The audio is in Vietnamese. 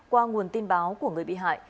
qua nguồn tin báo của người bị hại